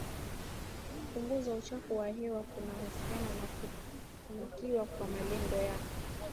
kupunguza uchafuzi wa hewa kunahusiana na kufanikiwa kwa Malengo ya